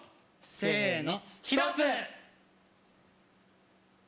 せの。